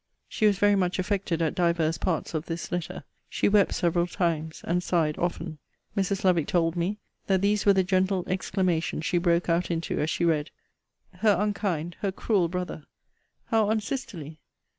She was very much affected at divers parts of this letter. She wept several times, and sighed often. Mrs. Lovick told me, that these were the gentle exclamations she broke out into, as she read: Her unkind, her cruel brother! How unsisterly!